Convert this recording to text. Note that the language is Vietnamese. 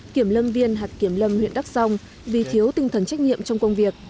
kiểm lâm viên hạt kiểm lâm huyện đắc sông vì thiếu tinh thần trách nhiệm trong công việc